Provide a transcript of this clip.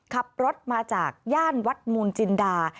ขับรถมาจากย่านวัดมูลจินดา